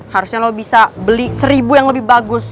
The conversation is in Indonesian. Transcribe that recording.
harusnya lo bisa beli seribu yang lebih bagus